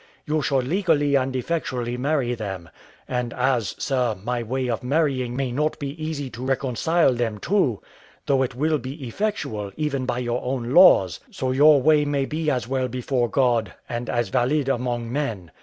You should legally and effectually marry them; and as, sir, my way of marrying may not be easy to reconcile them to, though it will be effectual, even by your own laws, so your way may be as well before God, and as valid among men.